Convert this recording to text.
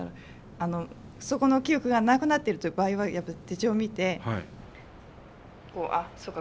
そこの記憶がなくなってるという場合はやっぱり手帳を見てそうか